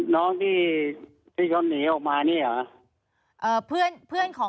น้องที่เขาหนีออกมานี่เหรอ